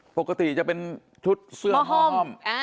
ปกติจะเป็นชุดเสื้อหอ้อม